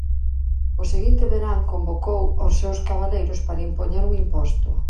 O seguinte verán convocou os seus cabaleiros para impoñer un imposto.